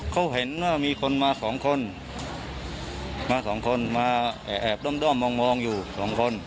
เขาเห็นว่ามีคนมาสองคนมาสองคนมาแอบด้อมมองอยู่สองคน